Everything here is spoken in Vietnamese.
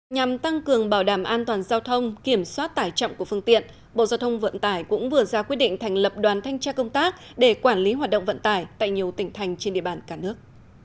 nhằm tăng cường bảo đảm an toàn giao thông kiểm soát tải trọng của phương tiện bộ giao thông vận tải cũng vừa ra quyết định thành lập đoàn thanh tra công tác để quản lý hoạt động vận tải tại nhiều tỉnh thành trên địa bàn cả nước